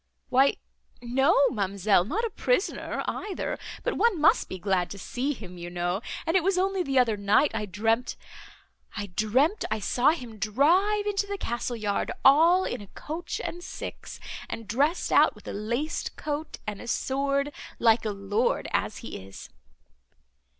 "Why no, ma'amselle, not a prisoner either; but one must be glad to see him, you know. And it was only the other night I dreamt—I dreamt I saw him drive into the castle yard all in a coach and six, and dressed out, with a laced coat and a sword, like a lord as he is."